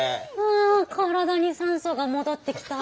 あ体に酸素が戻ってきた。